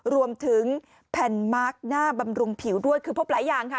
รวมถึงแผ่นมาร์คหน้าบำรุงผิวด้วยคือพบหลายอย่างค่ะ